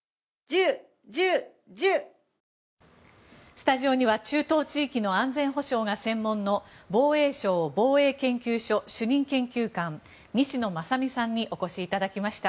スタジオには中東地域の安全保障が専門の防衛省防衛研究所主任研究官西野正巳さんにお越しいただきました。